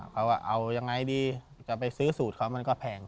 เขาก็เอายังไงดีจะไปซื้อสูตรเขามันก็แพง